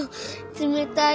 つめたい。